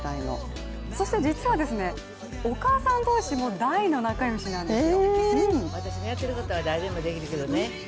実はですね、お母さん同士も大の仲良しなんですよ。